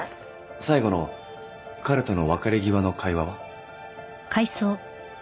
最後の彼との別れ際の会話は？